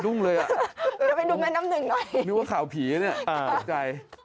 ยืมมันทำไมค่ะจะดุ้งเลยอ่ะนึกว่าข่าวผีนะเนี่ยตกใจ